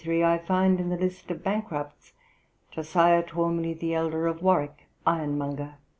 719, I find in the list of 'B nk ts,' Josiah Twamley, the elder, of Warwick, ironmonger.